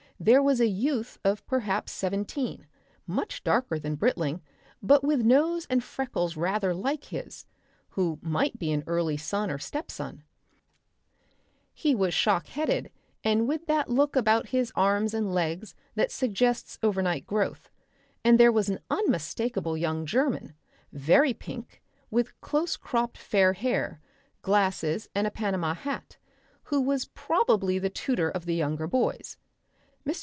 There was a youth of perhaps seventeen, much darker than Britling but with nose and freckles rather like his, who might be an early son or a stepson; he was shock headed and with that look about his arms and legs that suggests overnight growth; and there was an unmistakable young German, very pink, with close cropped fair hair, glasses and a panama hat, who was probably the tutor of the younger boys. (Mr.